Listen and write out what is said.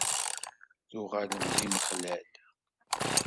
Tuɣalem d imexlal?